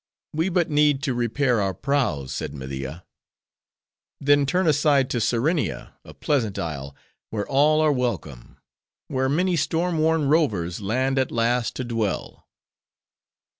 We but need to repair our prows," said Media. "Then, turn aside to Serenia, a pleasant isle, where all are welcome; where many storm worn rovers land at last to dwell."